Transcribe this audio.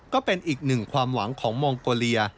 ก็เป็นอีกหนึ่งความหวังของมองโกเลีย